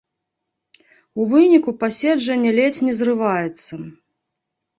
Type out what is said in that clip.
У выніку паседжанне ледзь не зрываецца.